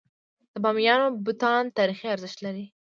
د بامیانو بتان تاریخي ارزښت لري.